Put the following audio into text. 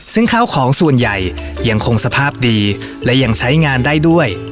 ซึ่งข้าวของส่วนใหญ่ยังคงสภาพดีและยังใช้งานได้ด้วย